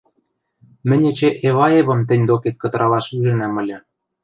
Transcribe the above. — Мӹнь эче Эваевӹм тӹнь докет кытыралаш ӱжӹнӓм ыльы.